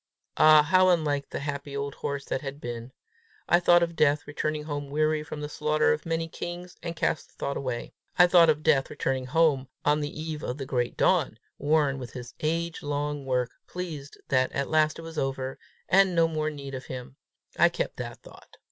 Ah, how unlike the happy old horse that had been! I thought of Death returning home weary from the slaughter of many kings, and cast the thought away. I thought of Death returning home on the eve of the great dawn, worn with his age long work, pleased that at last it was over, and no more need of him: I kept that thought.